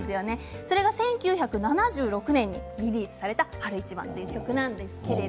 それが１９７６年にリリースされた「春一番」という曲です。